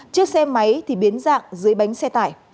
chiếc xe máy thì biến dạng dưới bánh xe tải